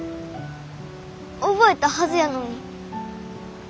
覚えたはずやのに。